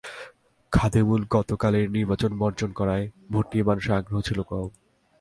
খাদেমুল গতকালের নির্বাচন বর্জন করায় ভোট নিয়ে মানুষের আগ্রহ ছিল কম।